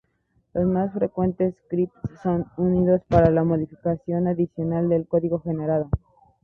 Los más frecuentes scripts son usados para la modificación adicional del código generado.